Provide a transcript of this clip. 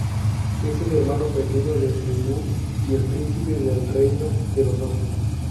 Es el hermano pequeño de Lulu y el príncipe del reino de los osos.